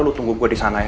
lo tunggu gue disana ya